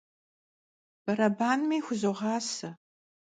Berebanmi xuzoğase.